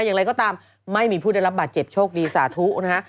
อย่างไรก็ตามไม่มีผู้ได้รับบาดเจ็บโชคดีสาธุนะฮะ